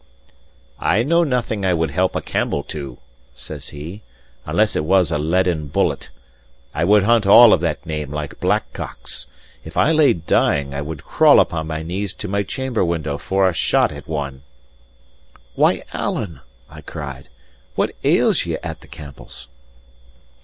"I know nothing I would help a Campbell to," says he, "unless it was a leaden bullet. I would hunt all of that name like blackcocks. If I lay dying, I would crawl upon my knees to my chamber window for a shot at one." "Why, Alan," I cried, "what ails ye at the Campbells?"